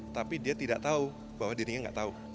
tapi dia tidak tahu bahwa dirinya tidak tahu